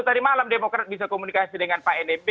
tadi malam demokrat bisa komunikasi dengan pak nmb